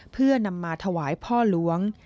เพื่อนำมาถวายพ่อหลวง